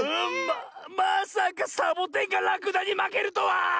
まさかサボテンがらくだにまけるとは！